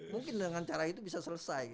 mungkin dengan cara itu bisa selesai